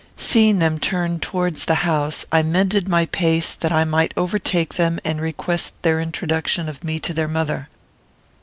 Seeing them turn towards the house, I mended my pace, that I might overtake them and request their introduction of me to their mother.